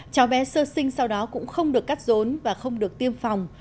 cháu bé sơ sinh sau đó cũng không được cắt rốn và không được tiêm phòng